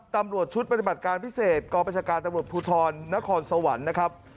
ตำรวจชุดปฏิบัติการพิเศษกองประชาการตำรวจภูทรนครสวรรค์นะครับ